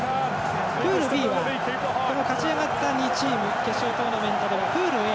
プールＢはこの勝ち上がった２チーム決勝トーナメントではプールＡ